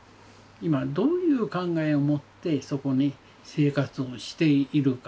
今どういう考えを持ってそこに生活をしているか。